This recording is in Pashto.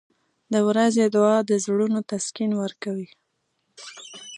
• د ورځې دعا د زړونو تسکین ورکوي.